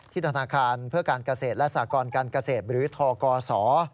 ธนาคารเพื่อการเกษตรและสากรการเกษตรหรือทกศ